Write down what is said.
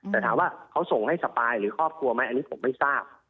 แต่ถามว่าเขาส่งให้สปายหรือครอบครัวไหมอันนี้ผมไม่ทราบ